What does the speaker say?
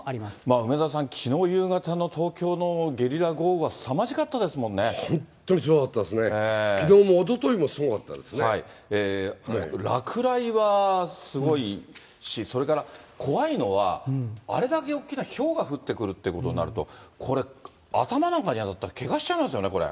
梅沢さん、きのう夕方の東京のゲリラ豪雨はすさまじかったで本当そうですね、きのう、おもう落雷はすごいし、それから怖いのは、あれだけ大きなひょうが降ってくるということになると、これ、頭なんかに当たったら、けがしちゃいますよね、これ。